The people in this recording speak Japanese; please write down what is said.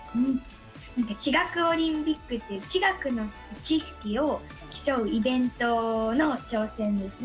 地学オリンピックという地学の知識を競うイベントの挑戦です。